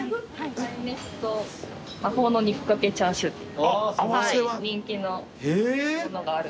魔法の肉かけチャーシュー人気のものがあるのでぜひ。